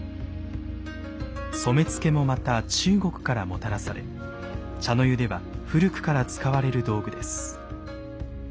染付もまた中国からもたらされ茶の湯では古くから使われる道具です。